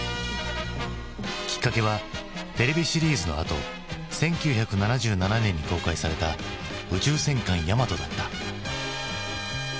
きっかけはテレビシリーズのあと１９７７年に公開された「宇宙戦艦ヤマト」だった。